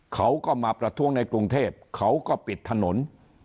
เขาก็มาประท้วงในกรุงเทพเขาก็ปิดถนน